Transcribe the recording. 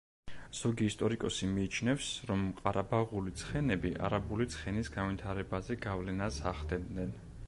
ზოგი ისტორიკოსი მიიჩნევს, რომ ყარაბაღული ცხენები არაბული ცხენის განვითარებაზე გავლენას ახდენდნენ.